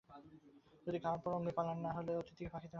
যদি খাওয়ার পরে অমনি পালান তা হলে অতিথিকে ফাঁকি দেওয়া হবে।